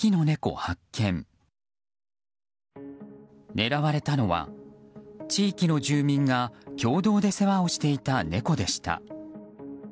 狙われたのは地域の住民が共同で世話をしていた猫でした。